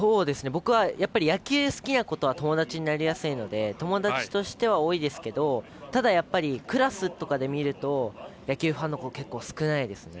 僕は野球好きな子とは友達になりやすいので友達としては多いですけどただ、クラスとかで見ると野球ファンの子は結構、少ないですね。